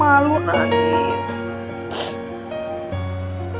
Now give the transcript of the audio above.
kalo caranya keren aja aja gitu hele